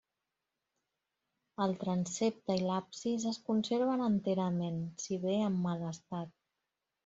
El transsepte i l'absis es conserven enterament, si bé en mal estat.